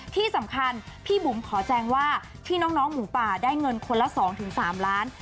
ที่สำคัญพี่บุ๋มขอแจงว่าที่น้องน้องหมูป่าได้เงินคนละสองถึงสามล้าน